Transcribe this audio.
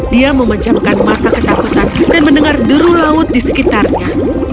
dia memecahkan mata ketakutan dan mendengar deru laut di sekitarnya